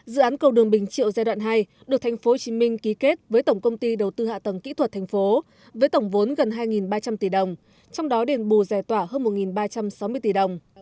dự án cầu đường bình triệu giai đoạn hai được tp hcm ký kết với tổng công ty đầu tư hạ tầng kỹ thuật tp hcm với tổng vốn gần hai ba trăm linh tỷ đồng trong đó đền bù giải tỏa hơn một ba trăm sáu mươi tỷ đồng